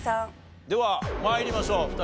では参りましょう。